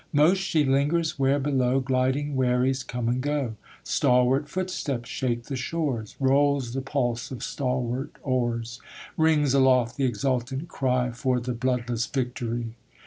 Most she lingers, where below Gliding wherries come and go; Stalwart footsteps shake the shores; Rolls the pulse of stalwart oars; Rings aloft the exultant cry For the bloodless victory.